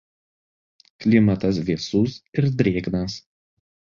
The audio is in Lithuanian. Klimatas vėsus ir drėgnas.